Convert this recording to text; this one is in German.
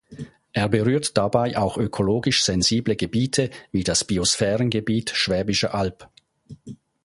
Er berührt dabei auch ökologisch sensible Gebiete wie das Biosphärengebiet Schwäbische Alb.